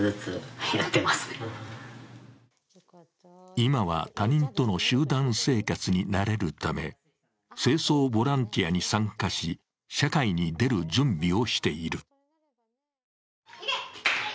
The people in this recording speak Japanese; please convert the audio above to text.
今は他人との集団生活に慣れるため清掃ボランティアに参加し社会に出る準備をしている。